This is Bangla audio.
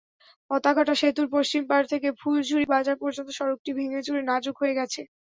পাতাকাটা সেতুর পশ্চিম পাড় থেকে ফুলঝুড়ি বাজার পর্যন্ত সড়কটি ভেঙেচুরে নাজুক হয়ে গেছে।